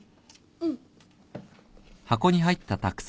うん。